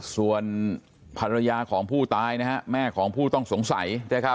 ส่วนภรรยาของผู้ตายแม่ของผู้ต้องสงสัย